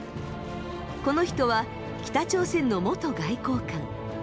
この人は北朝鮮の元外交官。